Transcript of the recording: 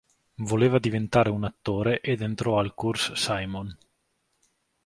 Voleva diventare un attore ed entrò al Cours Simon.